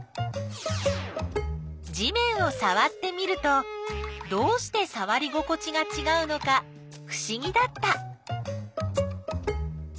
地面をさわってみるとどうしてさわり心地がちがうのかふしぎだった。